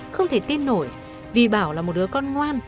không thể tin nổi vì bảo là một đứa con ngoan